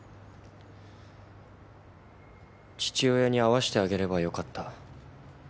父親に会わせてあげればよかった。